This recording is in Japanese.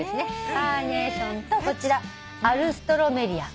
カーネーションとこちらアルストロメリア。